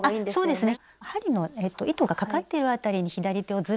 そうですね。